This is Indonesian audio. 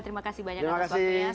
terima kasih banyak atas waktunya